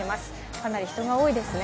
かなり人が多いですね。